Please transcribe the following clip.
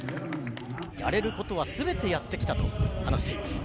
やれることはすべてやってきたと話しています。